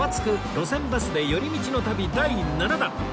路線バスで寄り道の旅』第７弾